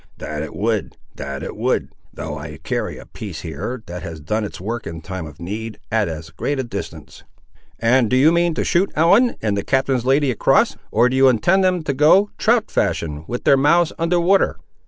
"That it would—that it would; though I carry a piece, here, that has done its work in time of need, at as great a distance." "And do you mean to shoot Ellen and the captain's lady across; or do you intend them to go, trout fashion, with their mouths under water?"